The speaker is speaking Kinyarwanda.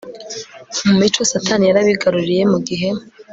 mu mico Satani yarabigaruriye Mu gihe